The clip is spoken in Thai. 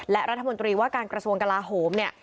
และรัฐมนตรีว่าการกระทรวงกลาโหมเนี่ย